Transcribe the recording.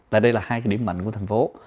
tại đây là hai cái điểm mạnh của thành phố